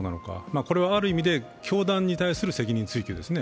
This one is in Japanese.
これはある意味で教団に対する責任追及ですね。